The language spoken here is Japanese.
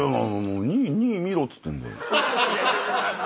２見ろっつってんだよ。